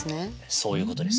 そういうことです。